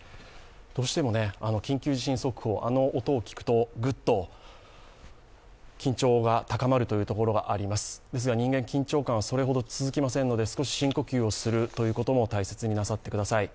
どうしても緊急地震速報、あの音を聞くとグッと緊張が高まるというところがありますですが、人間それほど緊張感は続きませんので少し深呼吸するということも大切になさってっください。